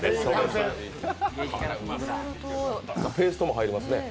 ペーストも入りますね。